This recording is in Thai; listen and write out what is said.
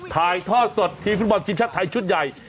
ถ่ายทอดสดทีมฟุตบอลทีมชาติไทยชุดใหญ่